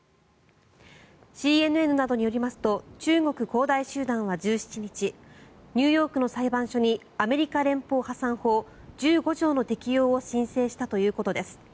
ＣＮＮなどによりますと中国・恒大集団は１７日ニューヨークの裁判所にアメリカ連邦破産法１５条の適用を申請したということです。